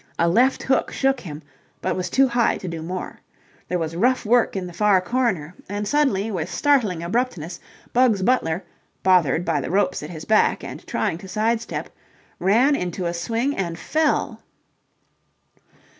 A left hook shook him, but was too high to do more. There was rough work in the far corner, and suddenly with startling abruptness Bugs Butler, bothered by the ropes at his back and trying to side step, ran into a swing and fell.